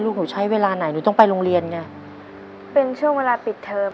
หนูใช้เวลาไหนหนูต้องไปโรงเรียนไงเป็นช่วงเวลาปิดเทอม